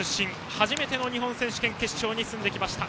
初めての日本選手権決勝に進んできました。